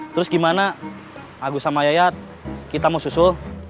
terus gimana agus sama yaya kita mau susu